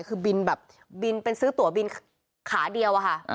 คือบินแบบบินเป็นซื้อตัวบินขาเดียวอะค่ะ